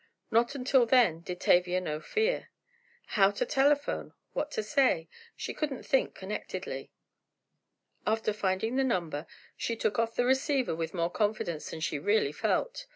Not until then did Tavia know fear! How to telephone, what to say—she couldn't think connectedly. After finding the number, she took off the receiver with more confidence than she really felt.